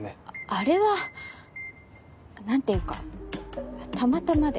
あれはなんていうかたまたまで。